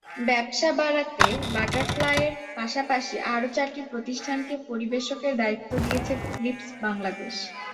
ব্যবসা বাড়াতে বাটারফ্লাইয়ের পাশাপাশি আরও চারটি প্রতিষ্ঠানকে পরিবেশকের দায়িত্ব দিয়েছে ফিলিপস বাংলাদেশ।